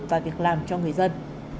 và việc làm cho người dân